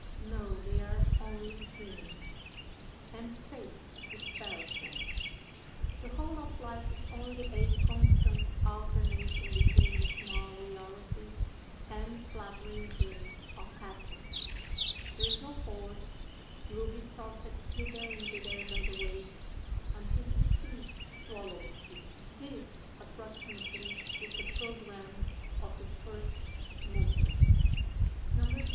No, they are only dreams, and Fate dispels them. The whole of life is only a constant alternation between dismal reality and flattering dreams of happiness. There is no port: you will be tossed hither and thither by the waves, until the sea swallows you. This, approximately, is the programme of the first movement. "[II.